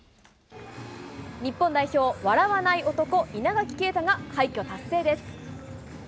日本代表、笑わない男、稲垣啓太が快挙達成です。